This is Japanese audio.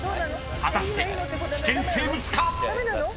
［果たして危険生物か⁉］